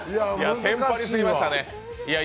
テンパりすぎましたね。